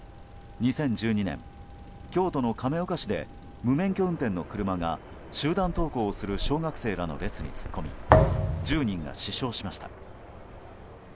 ２０１２年、京都の亀岡市で無免許運転の車が集団登校をする小学生らの列に突っ込み１０人が死傷しました。